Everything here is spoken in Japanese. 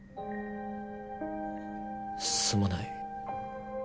すまない。